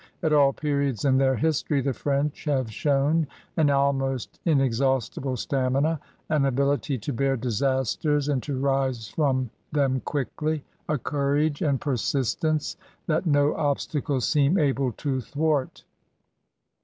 At aU periods in their history the French have shown an almost inex haustible stamina, an ability to bear disasters, and to rise from them quickly, a courage and per sistence that no obstacles seem able to thwart.